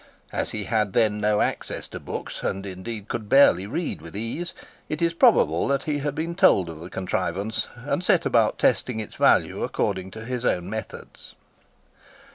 As he had then no access to books, and indeed could barely read with ease, it is probable that he had been told of the contrivance, and set about testing its value according to his own methods.